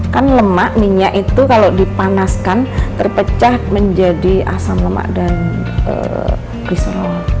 kan lemak minyak itu kalau dipanaskan terpecah menjadi asam lemak dan bisero